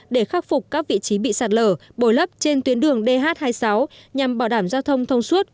để khắc phục các vị trí bị sạt lở bồi lấp trên tuyến đường dh hai mươi sáu nhằm bảo đảm giao thông thông suốt